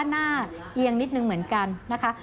เอียงนิดนึงเหมือนกันนะคะ